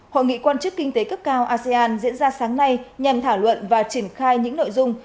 hội nghị quan chức kinh tế cấp cao asean diễn ra sáng nay nhằm thảo luận và triển khai những nội dung